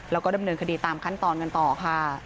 แล้วก็ดำเนินคดีตามขั้นตอนกันต่อค่ะ